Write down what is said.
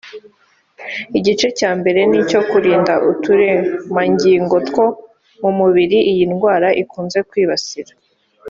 Igice cya mbere ni icyo kurinda uturemangingo two mu mubiri iyi ndwara ikunze kwibasira